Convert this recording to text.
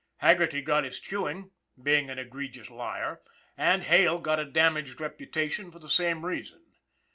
" Haggerty got his chewing, being an egregious liar; and Hale got a damaged reputation for the same rea son.